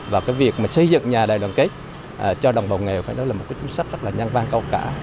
và việc xây dựng nhà đại đoàn kết cho đồng bào nghèo là một chính sách rất là nhan vang cao cả